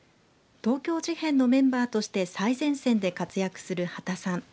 東京事変のメンバーとして最前線で活躍する刄田さん。